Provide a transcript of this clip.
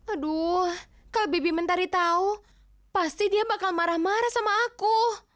aduh kalau bibi mentari tahu pasti dia bakal marah marah sama aku